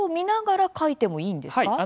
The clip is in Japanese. はい。